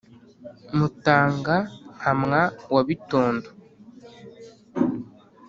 mutanga-nkamwa wa bitondo